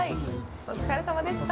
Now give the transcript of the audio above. お疲れさまでした。